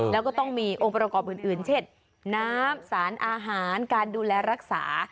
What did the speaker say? แล้วก็ต้องมีองค์ประกอบอื่นเช่นน้ำสารอาหารการดูแลรักษา